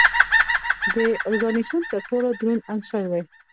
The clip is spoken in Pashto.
د اوګانیسون تر ټولو دروند عنصر دی.